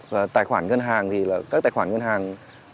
và tài khoản ngân hàng thì là các tài khoản ngân hàng